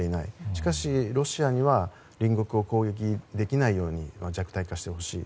しかし、ロシアには隣国を攻撃できないように弱体化してほしい。